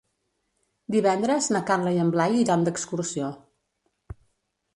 Divendres na Carla i en Blai iran d'excursió.